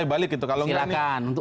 balik gitu kalau nggak nih